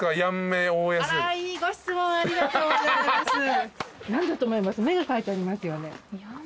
目が描いてありますよね。